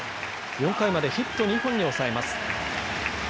４回までヒット２本に抑えます。